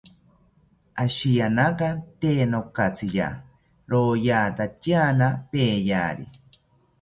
Ashiyanaka tee nokatziya, royatatyana peyari